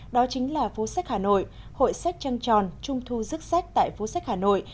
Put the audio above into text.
đó chính là phố sách hà nội hội sách trăng tròn trung thu rức sách tại phố sách hà nội